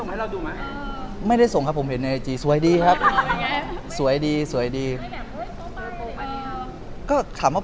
เห็นล่าสูตรเขาห่วดฝูนแซ่งแบบชุดเว้ยน้ำอะไรอย่างงี้